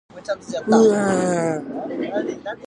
今日人数過疎ってね？